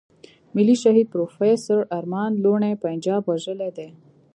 ملي شهيد پروفېسور ارمان لوڼی پنجاب وژلی دی.